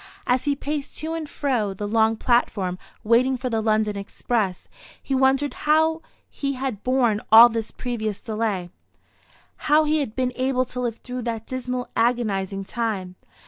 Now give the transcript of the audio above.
As he paced to and fro the long platform waiting for the London express, he wondered how he had borne all the previous delay, how he had been able to live through that dismal agonizing time.